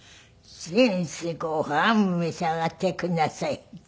「先生ご飯召し上がってくんなさい」って。